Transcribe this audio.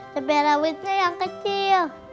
cabai rawitnya yang kecil